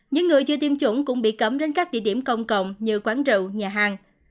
những người chưa tiêm chủng cũng bị cấm đến các địa điểm công cộng như quán rượu nhà hàng